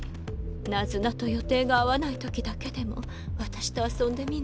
ナズナと予定が合わないときだけでも私と遊んでみない？